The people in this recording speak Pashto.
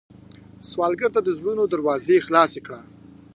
سوالګر ته د زړونو دروازې خلاصې کړه